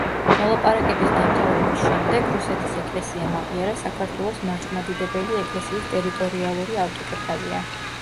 მოლაპარაკების დამთავრების შემდეგ რუსეთის ეკლესიამ აღიარა საქართველოს მართლმადიდებელი ეკლესიის ტერიტორიალური ავტოკეფალია.